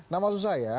nah maksud saya